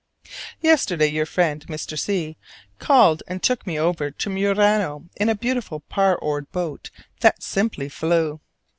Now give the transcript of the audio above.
Yesterday your friend Mr. C called and took me over to Murano in a beautiful pair oared boat that simply flew.